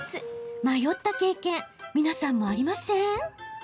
迷った経験皆さんもありません？